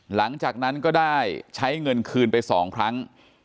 หลังจากนั้นก็ได้ใช้เงินคืนไป๒ครั้ง